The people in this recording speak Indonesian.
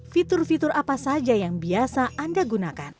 fitur fitur apa saja yang biasa anda gunakan